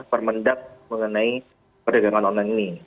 permendak mengenai perdagangan online ini